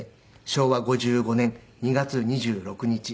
昭和５５年２月２６日」